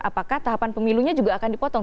apakah tahapan pemilunya juga akan dipotong